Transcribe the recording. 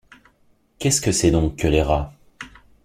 Qu’est-ce que c’est donc que les rats?